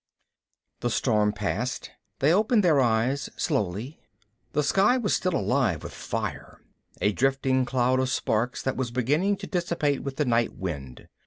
The storm passed. They opened their eyes slowly. The sky was still alive with fire, a drifting cloud of sparks that was beginning to dissipate with the night wind.